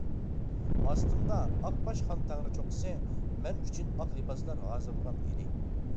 ئاستىمدا ئاق باش خان تەڭرى چوققىسى مەن ئۈچۈن ئاق لىباسلار ھازىرلىغان ئىدى.